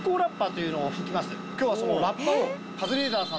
今日はそのラッパを。